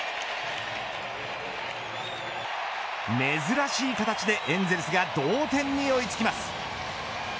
珍しい形で、エンゼルスが同点に追いつきます。